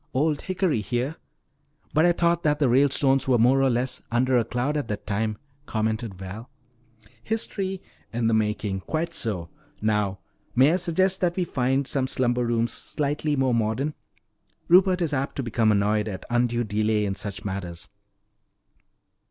'Old Hickory' here! But I thought that the Ralestones were more or less under a cloud at that time," commented Val. "History " "In the making. Quite so. Now may I suggest that we find some slumber rooms slightly more modern? Rupert is apt to become annoyed at undue delay in such matters."